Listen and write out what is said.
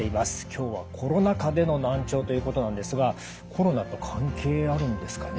今日はコロナ禍での難聴ということなんですがコロナと関係あるんですかね。